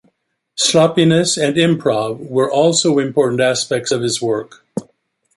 Sloppiness and improv were also important aspects of his work.